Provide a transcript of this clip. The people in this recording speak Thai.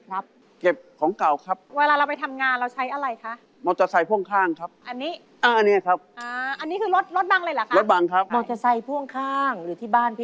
ห่วงของนี่แหละเนอะ